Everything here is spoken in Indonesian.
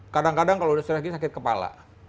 kadang kadang kalau sudah sakit kepala